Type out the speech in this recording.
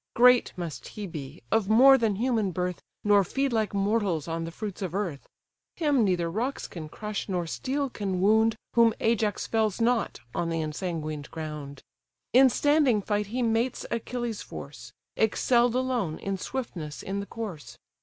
Great must he be, of more than human birth, Nor feed like mortals on the fruits of earth. Him neither rocks can crush, nor steel can wound, Whom Ajax fells not on the ensanguined ground. In standing fight he mates Achilles' force, Excell'd alone in swiftness in the course.